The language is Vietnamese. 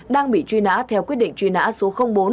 đang bị truy nã theo quyết định truy nã số bốn